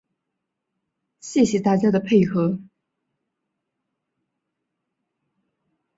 谢谢大家的配合